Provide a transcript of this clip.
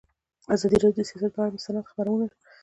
ازادي راډیو د سیاست پر اړه مستند خپرونه چمتو کړې.